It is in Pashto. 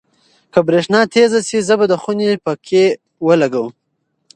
که برېښنا تېزه شي، زه به د خونې پکۍ لګوم.